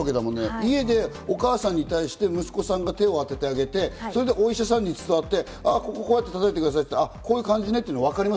家でお母さんに対して息子さんが手を当ててあげて、それでお医者さんに伝わって、ここを叩いてくださいと言ったら、あ、こういう感じね！とか分かる。